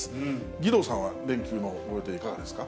義堂さんは連休のご予定、いかがですか？